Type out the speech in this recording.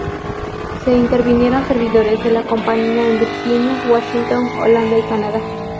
Se intervinieron servidores de la compañía en Virginia, Washington, Holanda y Canadá.